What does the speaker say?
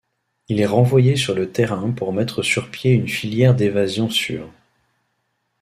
Il est renvoyé sur le terrain pour mettre sur pied une filière d'évasion sûre.